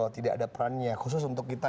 tidak ada perannya khusus untuk kita